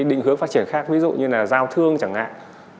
định hướng phát triển khác ví dụ như là giao thương chẳng hạn